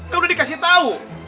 kan udah dikasih tau